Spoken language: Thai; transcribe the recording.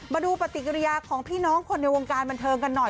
มาดูปฏิกิริยาของพี่น้องคนในวงการบันเทิงกันหน่อย